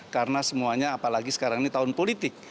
karena semuanya apalagi sekarang ini tahun politik